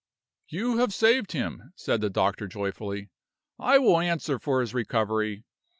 "You have saved him," said the doctor, joyfully. "I will answer for his recovery.